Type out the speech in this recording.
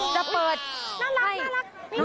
น่ารัก